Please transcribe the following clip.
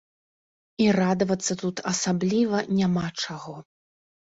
І радавацца тут асабліва няма чаго.